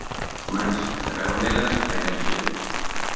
Mais, a carón delas, a enerxía.